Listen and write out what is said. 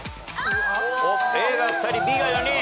おっＡが２人Ｂが４人。